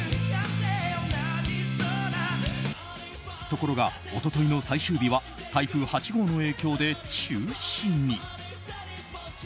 ところが一昨日の最終日は台風８号の影響で中止に。